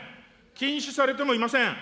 禁止されてもいません。